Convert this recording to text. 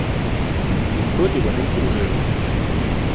Відтоді вони й здружились.